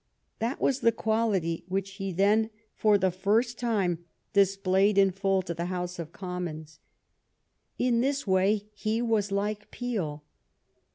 That was the quality which he then for the first time displayed in full to the House of Commons. In this way he was like Peel.